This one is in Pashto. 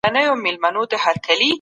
د مقبرې ګومبزې څه ډول رنګ لري؟